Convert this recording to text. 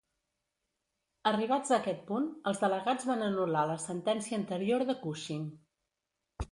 Arribats a aquest punt, els delegats van anul·lar la sentència anterior de Cushing.